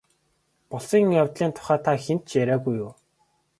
Болсон явдлын тухай та хэнд ч яриагүй юу?